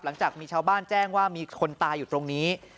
หลังจากมีชาวบ้านแจ้งว่ามีคนตายอยู่ตรงนี้